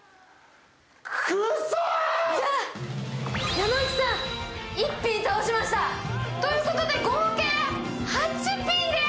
山内さん、１ピン倒しましたということで合計８ピンです。